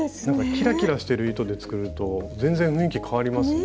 キラキラしてる糸で作ると全然雰囲気変わりますね。